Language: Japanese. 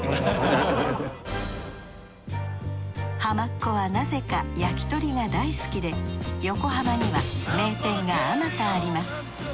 ハマっ子はなぜか焼き鳥が大好きで横浜には名店があまたあります。